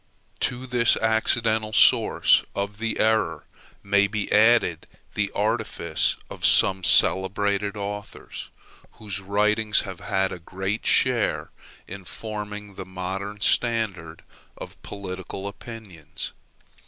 To this accidental source of the error may be added the artifice of some celebrated authors, whose writings have had a great share in forming the modern standard of political opinions.